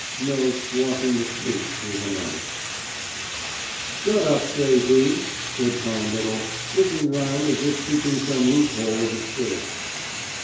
'"Walking the streets through the night "Shut up, J.B.," said Tom Little, looking round as if seeking some loophole of escape.